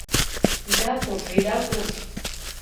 Ида курж, ида курж.